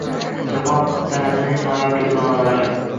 Jahon sanʼatining noyob durdonalari